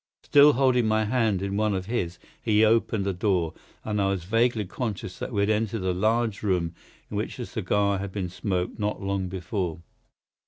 Still holding my hand in one of his he opened a door, and I was vaguely conscious that we had entered a large room in which a cigar had been smoked not long before.